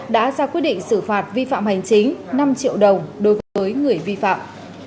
đã ra quyết định xử phạt vi phạm hành chính năm triệu đồng đối với người vi phạm